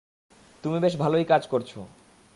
তুমি বেশ ভালোই কাজ করছ।